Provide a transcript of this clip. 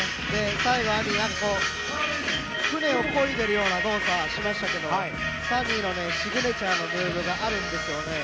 最後、ＡＭＩが船をこいでいるような動作をしましたけどもＳｕｎｎｙのシグネチャーのムーブがあるんですよね。